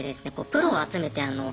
プロを集めてあの。